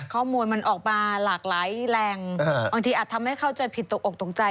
ข้อมูลมันออกมาหลากหลายแรงบางทีอาจทำให้เข้าใจผิดตกออกตกใจ